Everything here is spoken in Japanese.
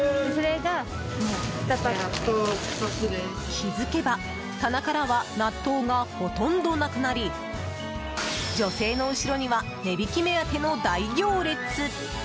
気付けば棚からは納豆がほとんどなくなり女性の後ろには値引き目当ての大行列。